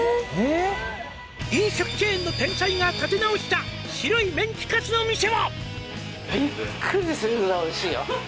「飲食チェーンの天才が立て直した」「白いメンチカツの店は？」